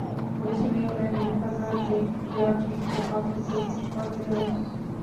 اور اسی لیے میں نے لکھا تھا کہ "کیا جیت نے خامیوں کو چھپا دیا ہے ۔